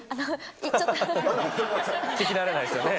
聞きなれないですよね。